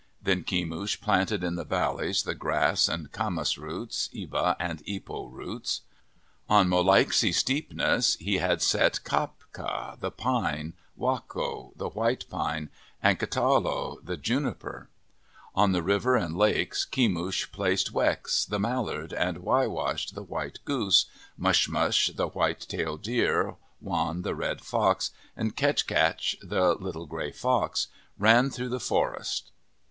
Then Kemush planted in the valleys the grass, and camas roots, iba and ipo roots. On Molaiksi, Steepness, he had set Kapka, the pine, Wako, the white pine, and Ktalo, the juniper. On the rivers and lakes Kemush placed Weks, the mallard, and Waiwash, the white goose. Mushmush, the white tail deer, Wan, the red fox, and Ketchkatch, the little gray fox, ran through the forest.